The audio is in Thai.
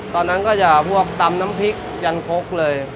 ตอนนั้นก็จะพวกตำน้ำพริกยันคกเลย